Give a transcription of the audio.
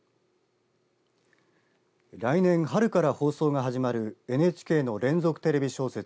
来年、春から放送が始まるＮＨＫの連続テレビ小説